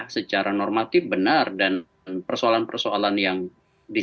secara normatif benar dan persoalan persoalan yang disampaikan